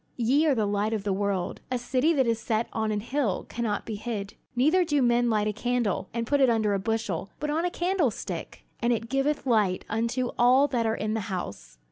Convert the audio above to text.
"Ye are the light of the world. A city that is set on an hill cannot be hid. Neither do men light a candle, and put it under a bushel, but on a candlestick; and it giveth light unto all that are in the house.